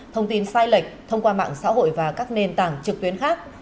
thông tin sai lệch thông qua mạng xã hội và các nền tảng trực tuyến khác